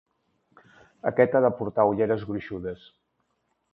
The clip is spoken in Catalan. Aquest ha de portar ulleres gruixudes.